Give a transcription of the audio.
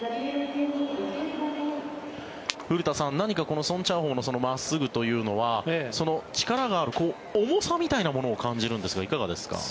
古田さん、何かソン・チャーホウの真っすぐというのは重さみたいなものを感じるんですがいかがですか。